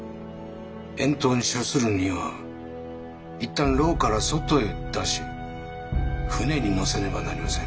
遠島に処するには一旦牢から外へ出し船に乗せねばなりません。